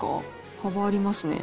幅ありますね。